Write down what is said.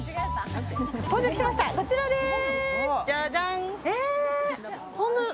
こちらでーす。